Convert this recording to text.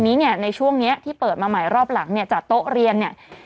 ทีนี้ในช่วงนี้ที่เปิดมาใหม่รอบหลังจากโต๊ะเรียน